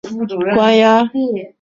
在果阿他又因负债被关押。